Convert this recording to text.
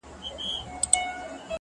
تر مرگه پوري هره شـــپــــــه را روان _